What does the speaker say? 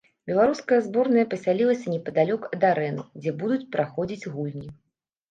Беларуская зборная пасялілася непадалёк ад арэны, дзе будуць праходзіць гульні.